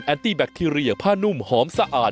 ตี้แบคทีเรียผ้านุ่มหอมสะอาด